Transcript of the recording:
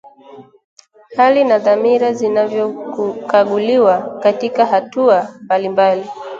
hali na dhamira zinavyokaguliwa katika hatua mbalimbali